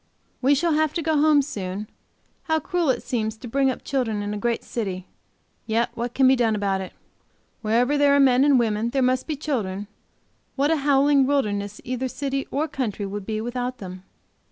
We shall have to go home soon; how cruel it seems to bring up children in a great city! Yet what can be done about it? Wherever there are men and women there must be children; what a howling wilderness either city or country would be without them!